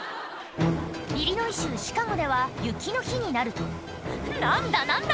イリノイ州シカゴでは雪の日になると何だ何だ？